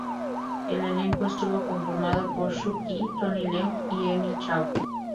El elenco estuvo conformado por Shu Qi, Tony Leung y Emil Chau.